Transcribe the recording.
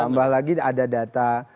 tambah lagi ada data